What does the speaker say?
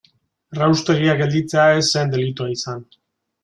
Erraustegia gelditzea ez zen delitua izan.